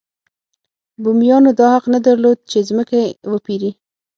بومیانو دا حق نه درلود چې ځمکې وپېري.